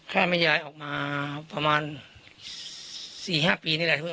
แม่ยายออกมาประมาณ๔๕ปีนี่แหละ